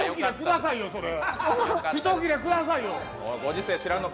さん、１切れくださいよ。